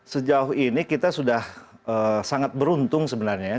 sejauh ini kita sudah sangat beruntung sebenarnya ya